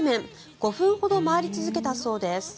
５分ほど回り続けたそうです。